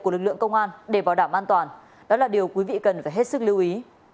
của lực lượng công an để bảo đảm an toàn đó là điều quý vị cần phải hết sức lưu ý